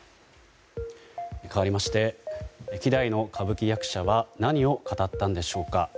かわりまして稀代の歌舞伎役者は何を語ったんでしょうか。